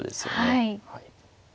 はい。